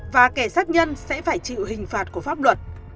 và kẻ sát nhân sẽ phải chịu hình phạt của pháp luật